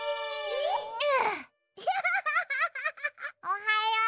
おはよう。